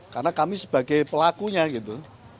karena kami sebagai pelakunya gitu